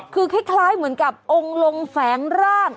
คือคล้ายเหมือนกับองค์ลงแฝงร่าง